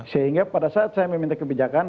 sehingga pada saat saya meminta kebijakan